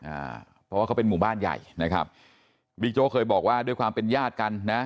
อ่าเพราะว่าเขาเป็นหมู่บ้านใหญ่นะครับบิ๊กโจ๊กเคยบอกว่าด้วยความเป็นญาติกันนะ